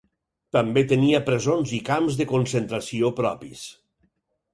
També tenia presons i camps de concentració propis.